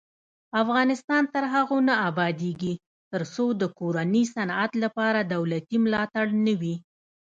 افغانستان تر هغو نه ابادیږي، ترڅو د کورني صنعت لپاره دولتي ملاتړ نه وي.